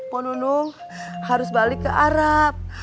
poh nunung harus balik ke arab